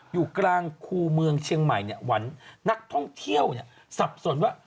อยู่กลางคู่เมืองเชียงใหม่วันนักท่องเที่ยวสับสนว่า